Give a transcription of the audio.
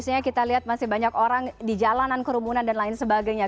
biasanya kita lihat masih banyak orang di jalanan kerumunan dan lain sebagainya